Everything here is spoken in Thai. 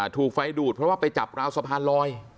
ถูกไฟดูดเพราะว่าไปจับราวสะพานลอย